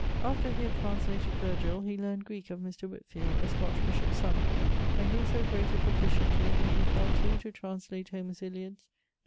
After he had translated Virgil, he learned Greeke[XLI.] of Mr. Whitfield, a Scotch bishop's son, and grew so great a proficient in it that he fell to to translate Homer's Iliads, 1660.